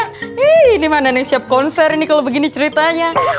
hei ini mah neneng siap konser ini kalo begini ceritanya